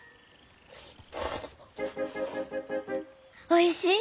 おいしい？